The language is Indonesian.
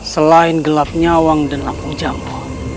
selain gelap nyawang dan lampung jangkau